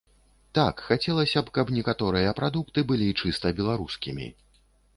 Так, хацелася б, каб некаторыя прадукты былі чыста беларускімі.